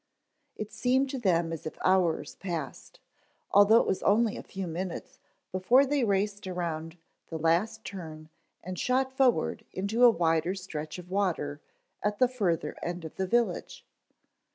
It seemed to them as if hours passed, although it was only a few minutes before they raced around the last turn and shot forward into a wider stretch of water at the further end of the village.